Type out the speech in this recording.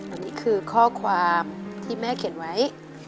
อันนี้คือข้อความที่แม่เขียนไว้